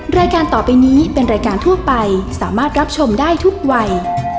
รายการต่อไปนี้เป็นรายการทั่วไปสามารถรับชมได้ทุกวัย